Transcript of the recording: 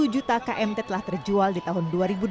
satu juta kmt telah terjual di tahun dua ribu dua puluh